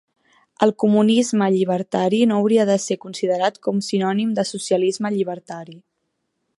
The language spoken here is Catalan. El comunisme llibertari no hauria de ser considerat com sinònim de socialisme llibertari.